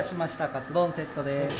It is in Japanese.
カツ丼セットです。